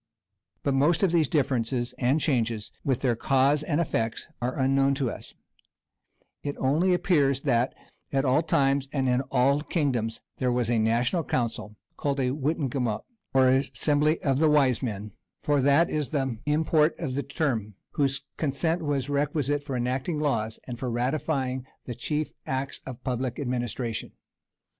[*] But most of these differences and changes, with their causes and effects, are unknown to us; it only appears that, at all times and in all the kingdoms, there was a national council, called a wittenagemot, or assembly of the wise men, (for that is the import of the term,) whose consent was requisite for enacting laws, and for ratifying the chief acts of public administration. [* We know of one change, not inconsiderable, in the Saxon constitution.